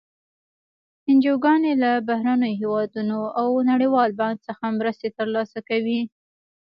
انجوګانې له بهرنیو هېوادونو او نړیوال بانک څخه مرستې تر لاسه کوي.